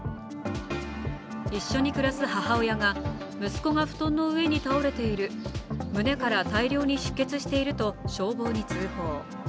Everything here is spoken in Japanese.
一緒に暮らす母親が息子が布団の上に倒れている、胸から大量に出血していると消防に通報。